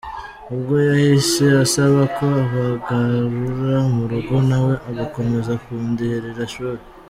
Ubwo yahise asaba ko bangarura mu rugo nawe agakomeza kundihirira ishuli.